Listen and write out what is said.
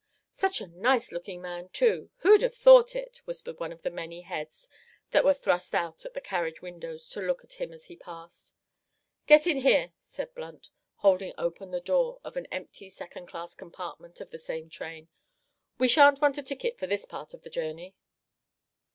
"Such a nice looking young man, too, who'd 'ave thought it!" whispered one of the many heads that were thrust out at the carriage windows to look at him as he passed. "Get in here," said Blunt, holding open the door of an empty second class compartment of the same train; "we shan't want a ticket for this part of the journey."